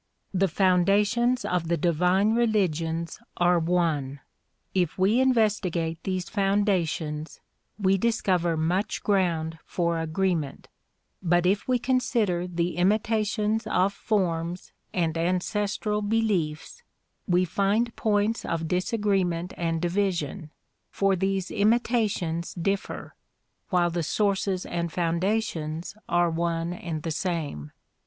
The foundations of the divine religions are one. If we investi gate these foundations we discover much ground for agreement, but if we consider the imitations of forms and ancestral beliefs we find points of disagreement and division, for these imitations differ while the sources and foundations are one and the same.